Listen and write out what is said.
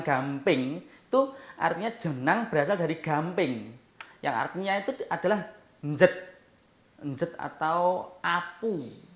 gamping itu artinya jenang berasal dari gamping yang artinya itu adalah enjet atau apu